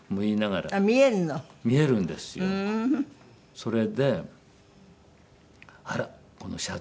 それで「あら！このシャツ」。